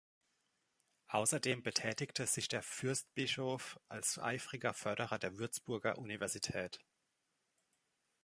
Außerdem betätigte sich der Fürstbischof als eifriger Förderer der Würzburger Universität.